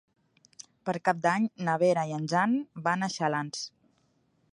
Per Cap d'Any na Vera i en Jan van a Xalans.